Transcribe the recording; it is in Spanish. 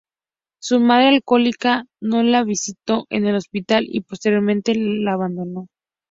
Su madre, alcohólica, no la visitó en el hospital y posteriormente la abandonó.